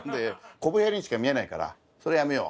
こぶ平にしか見えないからそれやめよう